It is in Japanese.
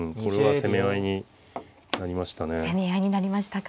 攻め合いになりましたか。